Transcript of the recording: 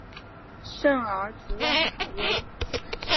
圣昂图万坎翁。